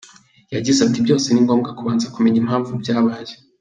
Yagize ati“Byose ni ngombwa kubanza kumenya impamvu byabaye.